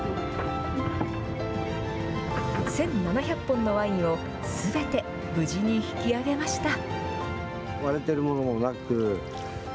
１７００本のワインをすべて無事に引き上げました。